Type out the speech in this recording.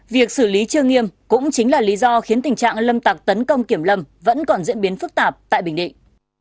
việc xử lý chưa nghiêm cũng chính là lý do khiến tình trạng lâm tặc tấn công kiểm lâm vẫn còn diễn biến phức tạp tại bình định